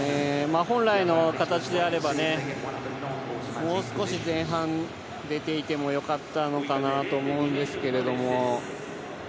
本来の形であればもう少し前半でていてもよかったのかなと思うんですけど。